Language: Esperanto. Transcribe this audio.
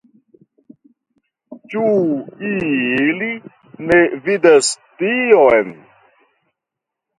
Ĉu ili ne vidas tion.